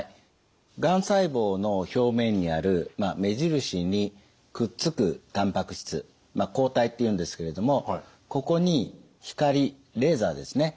がん細胞の表面にある目印にくっつくたんぱく質抗体っていうんですけれどもここに光レーザーですね